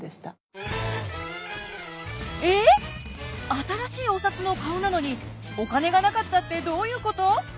新しいお札の顔なのにお金がなかったってどういうこと？